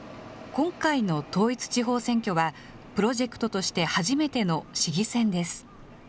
今回の統一地方選挙は、プロジェクトとして初めての市議選です。